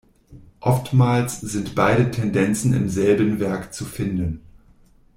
Oftmals sind beide Tendenzen im selben Werk zu finden.